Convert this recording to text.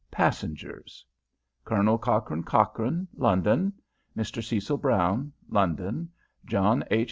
PASSENGERS. Colonel Cochrane Cochrane London Mr. Cecil Brown London John H.